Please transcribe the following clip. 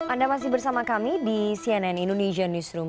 anda masih bersama kami di cnn indonesian newsroom